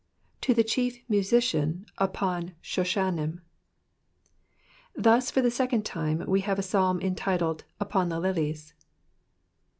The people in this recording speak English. — To the Chief Mnsician upon Shoshannim. Thus for Oie second Ume we have a Paalm entitled ripon the lilies.'"